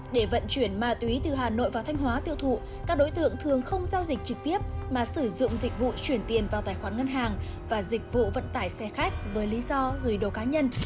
để vận chuyển ma túy từ hà nội vào thanh hóa tiêu thụ các đối tượng thường không giao dịch trực tiếp mà sử dụng dịch vụ chuyển tiền vào tài khoản ngân hàng và dịch vụ vận tải xe khách với lý do gửi đồ cá nhân